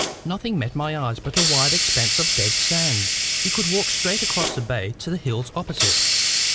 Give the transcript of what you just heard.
Nothing met my eyes but a wide expanse of dead sand. You could walk straight across the bay to the hills opposite.